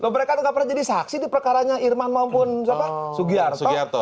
mereka tidak pernah jadi saksi di perkaranya irman maupun sugiarto